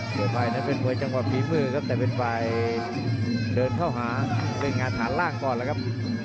มวยนั้นเป็นมวยจังหวะฝีมือครับแต่เป็นฝ่ายเดินเข้าหาเล่นงานฐานล่างก่อนแล้วครับ